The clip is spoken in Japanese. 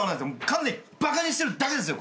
完全にバカにしてるだけですよ！